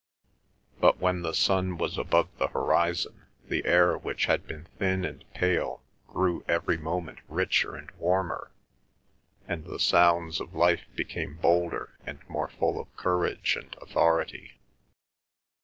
But when the sun was above the horizon, the air which had been thin and pale grew every moment richer and warmer, and the sounds of life became bolder and more full of courage and authority.